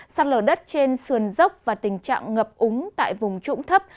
sát lở đất trên sườn dốc và tình trạng ngập úng tại vùng trũng thấp